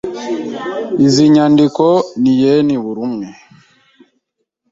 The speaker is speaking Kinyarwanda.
Izi nyandiko ni yen buri umwe .